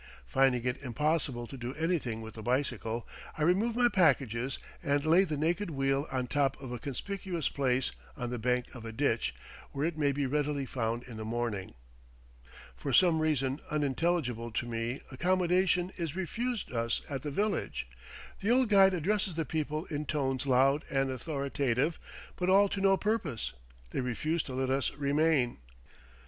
Finding it impossible to do anything with the bicycle, I remove my packages and lay the naked wheel on top of a conspicuous place on the bank of a ditch, where it may be readily found in the morning. For some reason unintelligible to me accommodation is refused us at the village. The old guide addresses the people in tones loud and authoritative, but all to no purpose they refuse to let us remain.